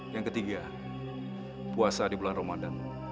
yang ketiga puasa di bulan ramadan